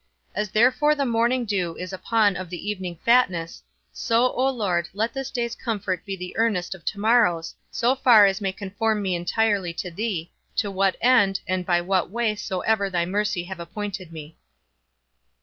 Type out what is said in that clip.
As therefore the morning dew is a pawn of the evening fatness, so, O Lord, let this day's comfort be the earnest of to morrow's, so far as may conform me entirely to thee, to what end, and by what way soever thy mercy have appointed me.